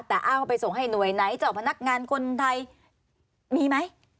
แต่เอาไปส่งให้หน่วยไหนจะเอามานักงานคนใดมีไหม